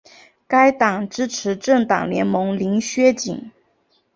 该党支持政党联盟零削减。